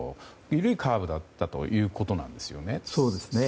緩いカーブだったということなんですね。